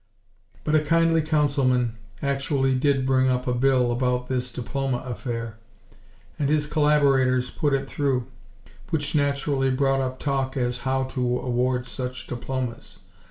But a kindly Councilman actually did bring up a bill about this diploma affair, and his collaborators put it through; which naturally brought up talk as how to award such diplomas.